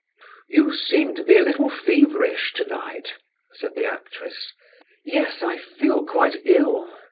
"You seem to be a little feverish tonight," said the actress. "Yes; I feel quite ill.